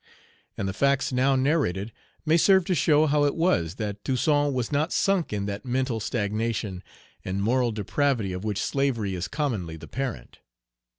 And the facts now narrated may serve to show how it was that Toussaint was not sunk in that mental stagnation and moral depravity of which slavery is commonly the parent.